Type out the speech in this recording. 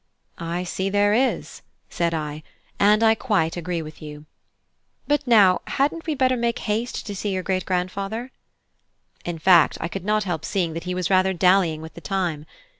"I see there is," said I, "and I quite agree with you. But now hadn't we better make haste to see your great grandfather?" In fact, I could not help seeing that he was rather dallying with the time.